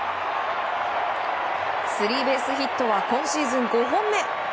スリーベースヒットは今シーズン５本目。